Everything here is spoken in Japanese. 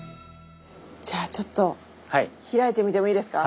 じゃあちょっと開いてみてもいいですか？